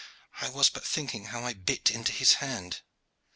I was but thinking how I bit into his hand.